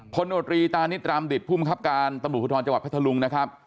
โนตรีตานิดรามดิตภูมิครับการตำรวจภูทรจังหวัดพัทธลุงนะครับ